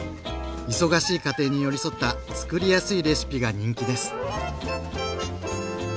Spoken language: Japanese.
忙しい家庭に寄り添ったつくりやすいレシピが人気です。